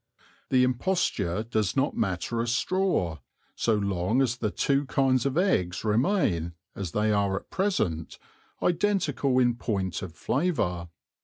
The imposture does not matter a straw so long as the two kinds of eggs remain, as they are at present, identical in point of flavour.